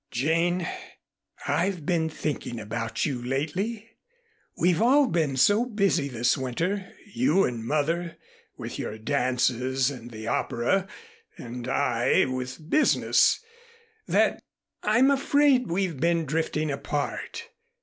"Jane, I've been thinking about you lately. We've all been so busy this winter, you and mother, with your dances and the opera, and I with business, that I'm afraid we've been drifting apart.